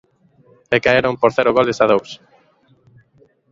E caeron por cero goles a dous.